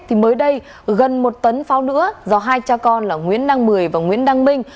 thì mới đây gần một tấn pháo nữa do hai cha con là nguyễn năng mười và nguyễn đăng minh